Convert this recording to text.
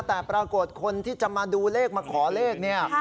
แต่ปรากฏคนที่จะมาดูเลขมาขอเลขเนี่ย